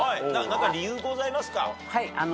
理由ございますか？